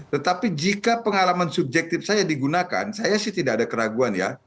tetapi jika pengalaman subjektif saya digunakan saya sih tidak ada keraguan ya